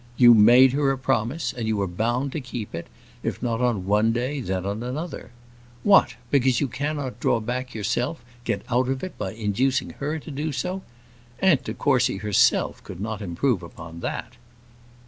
You made her a promise, and you are bound to keep it; if not on one day, then on another. What! because you cannot draw back yourself, get out of it by inducing her to do so! Aunt de Courcy herself could not improve upon that."